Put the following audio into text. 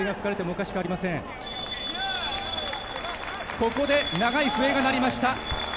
ここで長い笛が鳴りました。